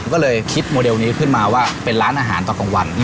ก็เลยคิดโมเดลนี้ขึ้นมาว่าเป็นร้านอาหารตอนกลางวัน